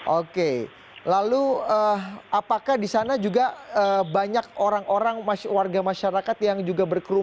oke lalu apakah di sana juga banyak orang orang warga masyarakat yang juga berkerumun